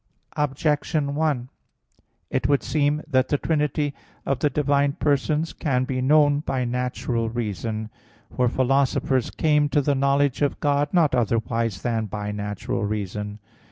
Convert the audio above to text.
Objection 1: It would seem that the trinity of the divine persons can be known by natural reason. For philosophers came to the knowledge of God not otherwise than by natural reason.